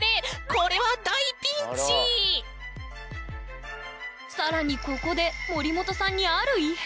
これは更にここで森本さんにある異変？